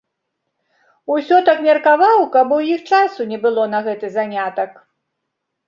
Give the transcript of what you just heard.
Усё так меркаваў, каб у іх часу не было на гэты занятак.